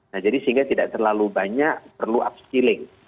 nah jadi sehingga tidak terlalu banyak perlu upskilling